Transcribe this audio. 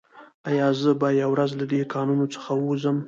ایا زه به یوه ورځ له دې کانونو څخه ووځم